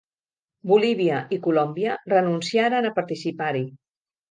Bolívia, i Colòmbia renunciaren a participar-hi.